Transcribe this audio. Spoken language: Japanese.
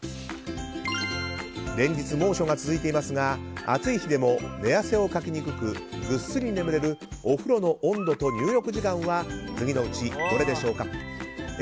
連日、猛暑が続いていますが暑い日でも寝汗をかきにくくぐっすり眠れるお風呂の温度と入浴時間は次のうちどれでしょうか？